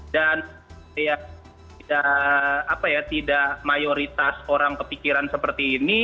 dan ya tidak apa ya tidak mayoritas orang kepikiran seperti ini